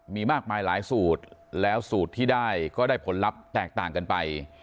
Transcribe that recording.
มีมากมายหลายสูตรแล้วสูตรที่ได้ก็ได้ผลลัพธ์แตกต่างกันไป